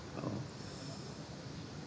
yang di jawa barat